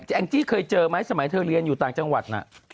แองจี้เคยเจอไหมสมัยเธอเรียนอยู่ต่างจังหวัดน่ะ